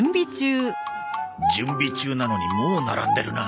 準備中なのにもう並んでるな。